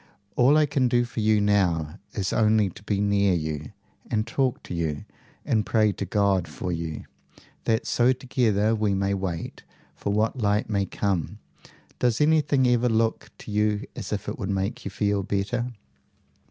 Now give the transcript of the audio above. All I can do for you now is only to be near you, and talk to you, and pray to God for you, that so together we may wait for what light may come. Does anything ever look to you as if it would make you feel better?"